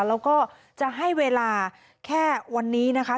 แล้วก็จะให้เวลาแค่วันนี้นะคะ